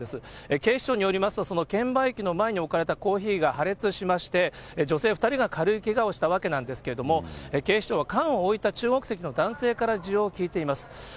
警視庁によりますと、その券売機の前に置かれたコーヒーが破裂しまして、女性２人が軽いけがをしたわけなんですけれども、警視庁は缶を置いた中国籍の男性から事情を聴いています。